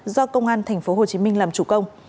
do công an tp hcm làm chủ công